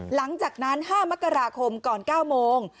หลังจากนั้น๕มกราคมก่อน๙โมง